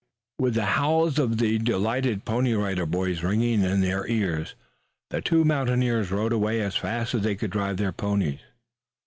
With the howls of the delighted Pony Rider Boys ringing in their ears the two mountaineers rode away as fast as they could drive their ponies.